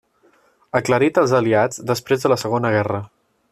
Aclarit als aliats després de la segona guerra.